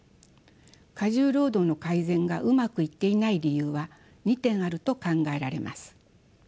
過重労働の改善がうまくいっていない理由は２点あると考えられます。